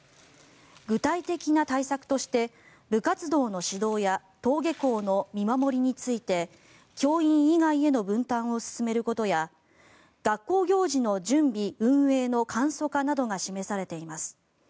具体的な対策として部活動の指導や登下校の見守りについて教員以外への分担を進めることや学校行事の準備・運営の簡素化などが示されています。